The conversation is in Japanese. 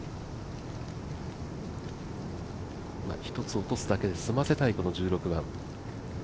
一つ落とすだけで済ませたいこの１６番。